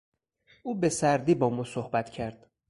او به سردی با ما صحبت کرد.